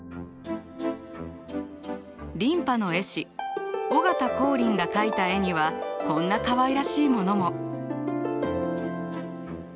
琳派の絵師尾形光琳が描いた絵にはこんなかわいらしいものも。